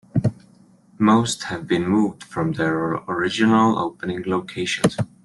Most have been moved from their original opening locations.